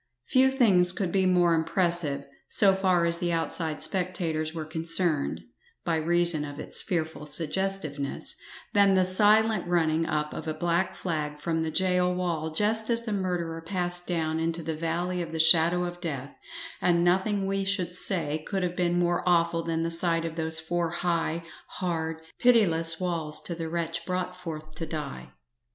Few things could be more impressive, so far as the outside spectators were concerned (by reason of its fearful suggestiveness) than the silent running up of a black flag from the gaol wall just as the murderer passed down into the valley of the shadow of death; and nothing we should say could have been more awful than the sight of those four high, hard, pitiless walls to the wretch brought forth to die.